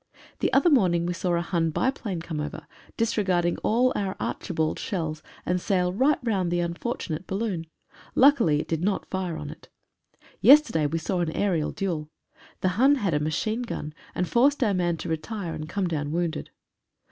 The other morning we saw a Hun biplane come over, disregarding all our "Archibald" shells, and sail right round the unfortunate balloon. Luckily it did not fire on it. Yesterday we saw an aerial duel. The Hun had a machine gun, and forced our man to retire and come down wounded.